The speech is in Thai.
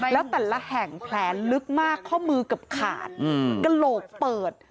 แล้วแต่ละแห่งแผลลึกมากข้อมือเกือบขาดกระโหลกเปิด